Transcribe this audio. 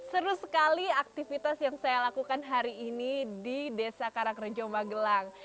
seru sekali aktivitas yang saya lakukan hari ini di desa karangrejo magelang